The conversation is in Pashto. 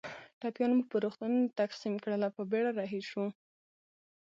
ټپیان مو پر روغتونونو تقسیم کړل او په بېړه رهي شوو.